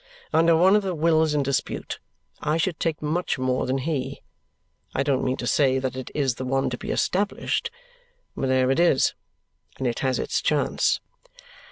Under one of the wills in dispute, I should take much more than he. I don't mean to say that it is the one to be established, but there it is, and it has its chance."